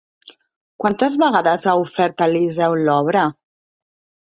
Quantes vegades ha ofert el Liceu l'obra?